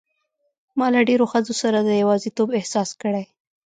ما له ډېرو ښځو سره د یوازیتوب احساس کړی.